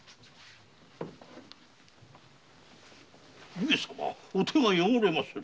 上様お手が汚れまする。